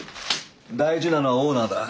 大事なのはオーナーだ。